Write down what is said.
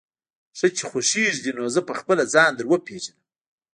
ښه چې خوښېږي دې، نو زه به خپله ځان در وپېژنم.